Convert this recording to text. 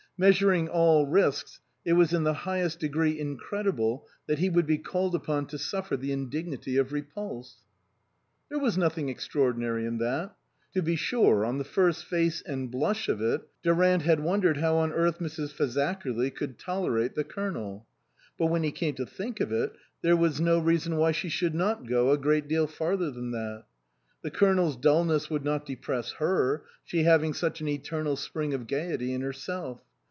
Measuring all risks, it was in the highest degree incredible that he would be called upon to suffer the indignity of repulse. There was nothing extraordinary in that. To be sure, on the first face and blush of it, Durant had wondered how on earth Mrs. Fazakerly could tolerate the Colonel ; but when he came to think of it, there was no reason why she should not go a great deal farther than that. The Colonel's dulness would not depress her, she having such an eternal spring of gaiety in herself.